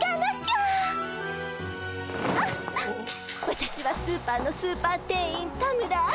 私はスーパーのスーパー店員田村愛。